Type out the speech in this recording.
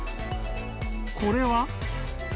これは？